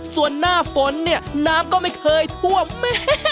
ส่วนหน้าฝนเนี่ยน้ำก็ไม่เคยท่วมแม่